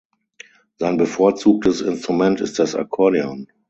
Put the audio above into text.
Sein bevorzugtes Instrument ist das Akkordeon.